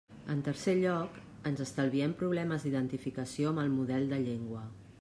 En tercer lloc, ens estalviem problemes d'identificació amb el model de llengua.